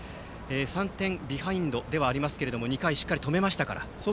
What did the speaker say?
３点ビハインドではありますが２回をしっかり止めました。